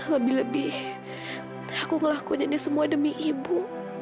lebih lebih aku ngelakuin ini semua demi ibu